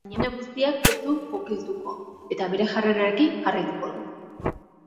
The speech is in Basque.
Baina honek guztiak ez du kokilduko eta bere jarrerarekin jarraituko du.